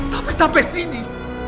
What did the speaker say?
tapi sampai sini